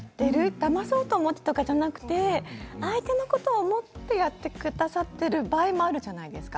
だまそうと思ってじゃなくて相手のことを思ってやってくださっている場合もあるじゃないですか。